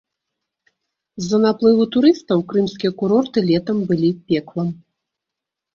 З-за наплыву турыстаў крымскія курорты летам былі пеклам.